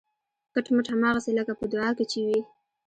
کټ مټ هماغسې لکه په دعا کې چې وي